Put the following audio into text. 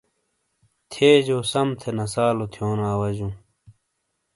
تھیے جو سم تھے نسالو تھیونو اواجوں۔